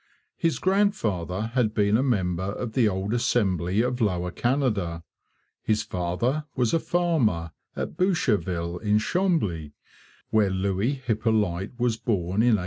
His grandfather had been a member of the old Assembly of Lower Canada; his father was a farmer at Boucherville in Chambly, where Louis Hippolyte was born in 1804.